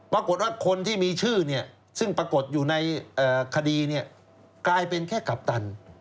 ปรากฏว่าคนที่มีชื่อซึ่งปรากฏอยู่ในคดีกลายเป็นแค่กัปตัน